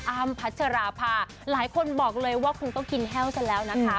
อ้ำพัชราภาหลายคนบอกเลยว่าคงต้องกินแห้วซะแล้วนะคะ